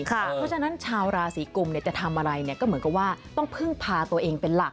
เพราะฉะนั้นชาวราศีกุมจะทำอะไรก็เหมือนกับว่าต้องพึ่งพาตัวเองเป็นหลัก